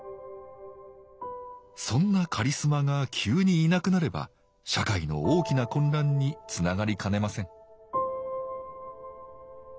そんなカリスマが急にいなくなれば社会の大きな混乱につながりかねません